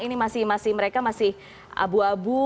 ini masih mereka masih abu abu